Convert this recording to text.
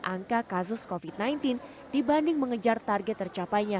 angka kasus covid sembilan belas dibanding mengejar target tercapainya